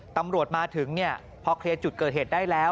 ตำรวจมาถึงพอเคลียร์จุดเกิดเหตุได้แล้ว